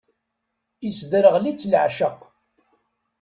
Isderɣel-itt leεceq.